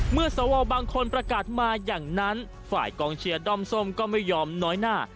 สวบางคนประกาศมาอย่างนั้นฝ่ายกองเชียร์ด้อมส้มก็ไม่ยอมน้อยหน้า